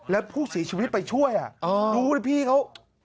แล้วผู้ศีรชีวิตไปช่วยอ่ะอ้อรู้ไหมพี่เขา